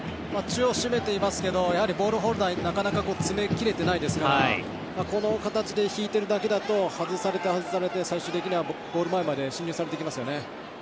中央を締めていますけどやはりボールホルダーなかなか詰めきれてないですからこの形で引いてるだけだと外されて外されて最終的にはゴール前まで進入されてきますよね。